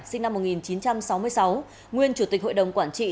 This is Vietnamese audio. sinh năm một nghìn chín trăm sáu mươi sáu nguyên chủ tịch hội đồng quản trị